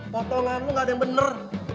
potongan lo gak ada yang bener